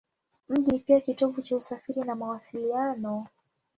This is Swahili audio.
Mji ni pia kitovu cha usafiri na mawasiliano.